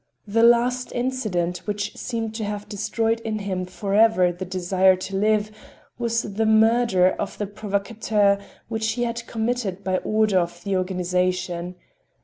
The last incident which seemed to have destroyed in him forever the desire to live, was the murder of the provocateur which he had committed by order of the organization.